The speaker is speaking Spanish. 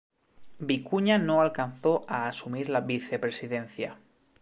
Vicuña no alcanzó a asumir la vicepresidencia.